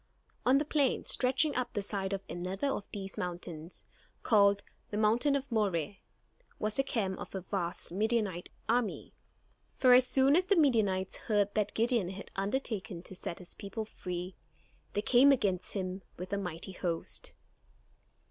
On the plain, stretching up the side of another of these mountains, called "the Hill of Moreh," was the camp of a vast Midianite army. For as soon as the Midianites heard that Gideon had undertaken to set his people free, they came against him with a mighty host.